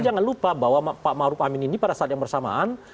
jangan lupa bahwa pak maruf amin ini pada saat yang bersamaan